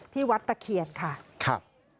ที่วัดตะเคียนค่ะครับ